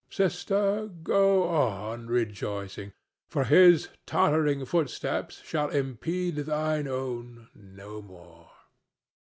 Sister, go on rejoicing, for his tottering footsteps shall impede thine own no more."